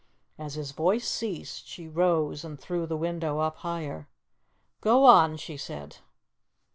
As his voice ceased, she rose and threw the window up higher. "Go on," she said.